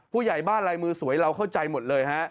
ผู้ใหญ่บ้านลายมือสวยเราเข้าใจหมดเลยฮะ